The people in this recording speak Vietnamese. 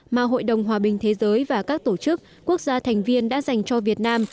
mà hội đồng hòa bình thế giới và các tổ chức quốc gia thành viên đã dành cho việt nam